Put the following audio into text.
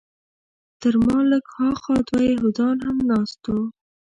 تر ما لږ هاخوا دوه یهودان هم ناست وو.